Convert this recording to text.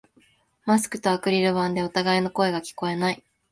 マスクとアクリル板で互いの声が聞こえない